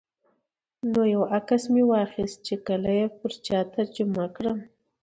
نو یو عکس مې واخیست چې کله یې پر چا ترجمه کړم.